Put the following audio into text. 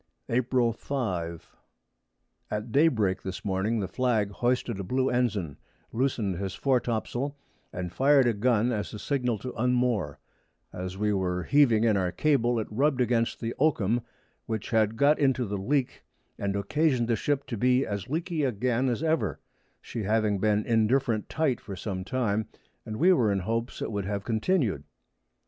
April 5. At Day break this Morning the Flag hoisted a blue Ensign, loos'd his Fore top sail, and fired a Gun as a Signal to unmoor: As we were heaving in our Cable, it rubb'd against the Oakham, which had got into the Leak, and occasion'd the Ship to be as leaky again as ever, she having been indifferent tight for some time, and we were in hopes it would have continu'd.